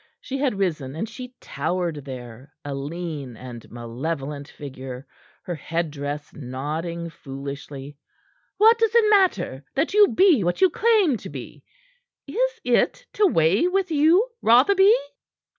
She had risen, and she towered there, a lean and malevolent figure, her head dress nodding foolishly. "What does it matter that you be what you claim to be? Is it to weigh with you, Rotherby?"